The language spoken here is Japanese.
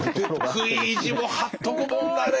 食い意地も張っとくもんだね！